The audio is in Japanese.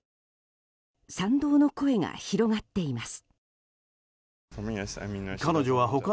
賛同の声が広がっています。